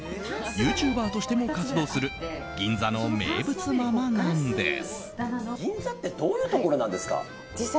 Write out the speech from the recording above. ユーチューバーとしても活動する銀座の名物ママなんです。